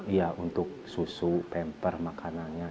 iya untuk susu pemper makanannya